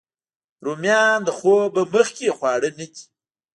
رومیان د خوب نه مخکې خواړه نه دي